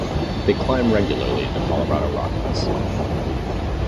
They climb regularly in the Colorado Rockies.